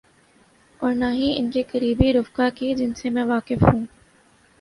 اورنہ ہی ان کے قریبی رفقا کی، جن سے میں واقف ہوں۔